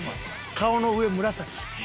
顔の上紫。